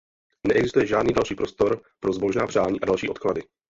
Neexistuje žádný další prostor pro zbožná přání a další odklady.